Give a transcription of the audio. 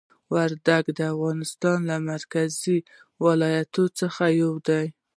وردګ د افغانستان له مرکزي ولایتونو څخه یو دی.